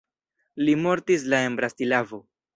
Li mortis la en Bratislavo.